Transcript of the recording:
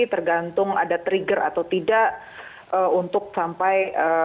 tergantung ada trigger atau tidak untuk sampai